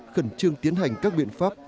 khẩn trương tiến hành các biện pháp